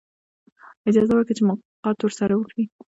اجازه ورکړي چې ملاقات ورسره وکړي.